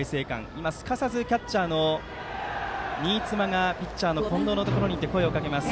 今、すかさずキャッチャーの新妻がピッチャーの近藤のところに行き声をかけます。